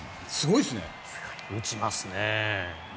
打ちますね。